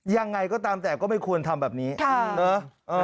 ยังไงก็ตามแต่ก็ไม่ควรทำแบบนี้ค่ะเออเออ